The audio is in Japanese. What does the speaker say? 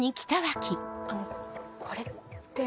あのこれって。